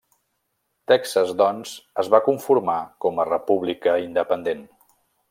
Texas, doncs, es va conformar com a república independent.